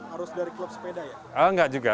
harus dari klub sepeda ya